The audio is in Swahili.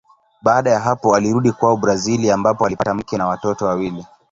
Baada ya hapo alirudi kwao Brazili ambapo alipata mke na watoto wawili.